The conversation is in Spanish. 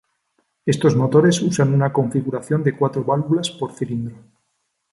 Estos motores usan una configuración de cuatro válvulas por cilindro.